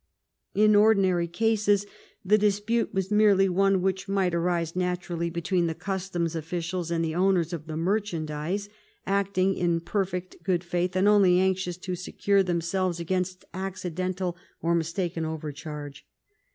In ordinary cases the dispute was merely one which might arise naturally between the customs officials and the owners of merchandise, acting in perfect good faith and only anxious to secure themselves against accidental or mistaken overcharge.